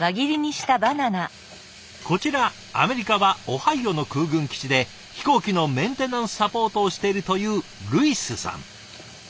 こちらアメリカはオハイオの空軍基地で飛行機のメンテナンスサポートをしているというルイスさん。